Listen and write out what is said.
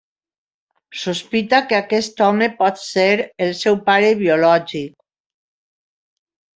Sospita que aquest home pot ser el seu pare biològic.